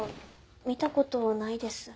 見た事ないです。